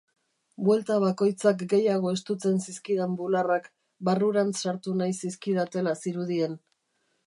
Buelta bakoitzak gehiago estutzen zizkidan bularrak, barrurantz sartu nahi zizkidatela zirudien.